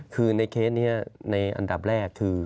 คือในเคสนี้ในอันดับแรกคือ